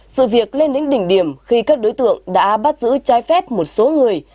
sự việc lên đến đỉnh điểm khi các đối tượng đã bắt giữ trái phép một số người